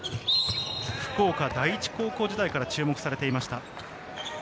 福岡第一高校時代から注目されていました。